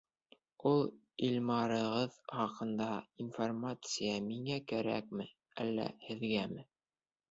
Ул Илмарығыҙ хаҡында информация миңә кәрәкме, әллә һеҙгәме?